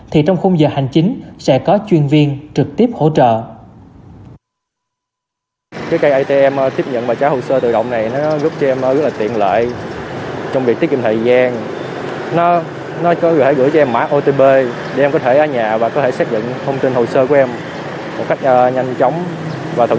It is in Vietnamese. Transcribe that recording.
thì em không cần phải xin phép để nghỉ học và mất thời gian để vào giờ hành chính